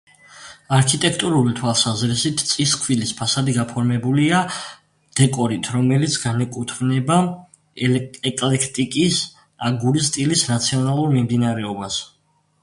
არქიტექტურული თვალსაზრისით წისქვილის ფასადი გაფორმებულია არქიტექტურული დეკორით, რომელიც განეკუთვნება ეკლექტიკის აგურის სტილის რაციონალურ მიმდინარეობას.